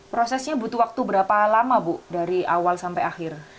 prosesnya butuh waktu berapa lama bu dari awal sampai akhir